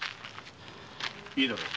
いいだろう。